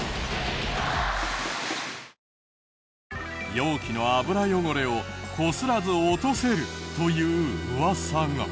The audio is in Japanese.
容器の油汚れをこすらず落とせるというウワサが。